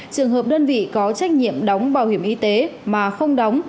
trường hợp đơn vị có trách nhiệm đóng bảo hiểm y tế mà không đóng